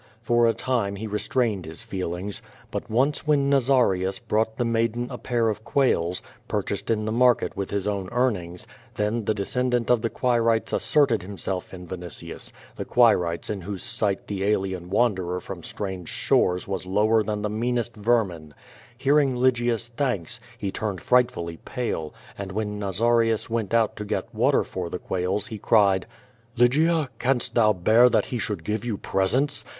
For a time he restrain ed his feelings. But once when Nazarius brought the maiden QUO VAnifi, 213 a pair of quails — purchased in tlio market with his own earn ings— then the descendant of the Quirites asserted himself in Vinitius — the Quirites in whose sight the alien wanderer from strange shores was lower than the meanest vermin. Hearing Lygia's tlianks, he turned frightfully pale, and when Nazarius went out to get water for the quails, he cried: "Lygia, canst thou bear that he should give you presents?